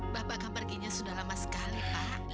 bapak akan perginya sudah lama sekali pak